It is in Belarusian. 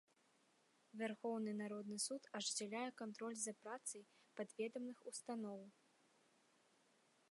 Вярхоўны народны суд ажыццяўляе кантроль за працай падведамных устаноў.